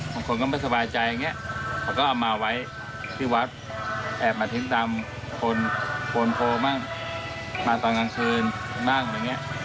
ของคนก็ไม่สบายใจก็เอามาไว้ที่วักกุญแพงแอบมาทิ้งคุณพูดมาต่างหางคืนมาต่างหรือนั่ง